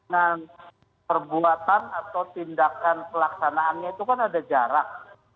dan perbuatan atau tindakan pelaksanaannya itu kan ada jarak